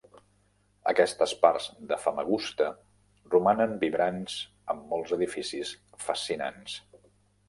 Aquestes parts de Famagusta romanen vibrants amb molts edificis fascinants.